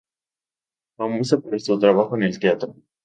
Famosa por su trabajo en el teatro.